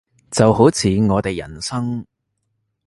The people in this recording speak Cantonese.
就好似我哋人生